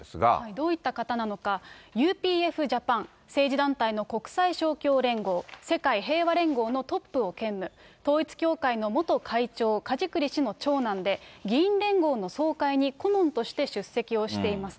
どういった方なのか、ＵＰＦＪａｐａｎ、政治団体の国際勝共連合、世界平和連合のトップを兼務、統一教会の元会長、梶栗氏の長男で、議員連合の総会に顧問として出席をしています。